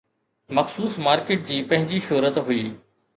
مخصوص مارڪيٽ جي پنهنجي شهرت هئي.